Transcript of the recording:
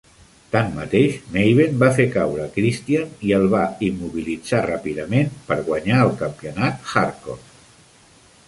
Tanmateix, Maven va fer caure Christian i el va immobilitzar ràpidament per guanyar el Campionat Hardcore.